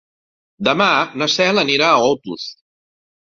Demà na Cel anirà a Otos.